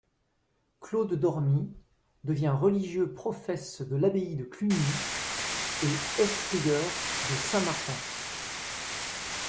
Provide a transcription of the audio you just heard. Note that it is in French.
Claude Dormy devient religieux profès de l'abbaye de Cluny et estprieur de Saint-Martin.